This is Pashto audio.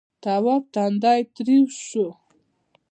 تواب تندی تريو شو.